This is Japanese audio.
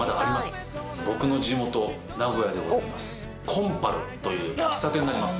コンパルという喫茶店になります。